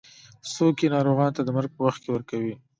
څوک یې ناروغانو ته د مرګ په وخت کې ورکوي.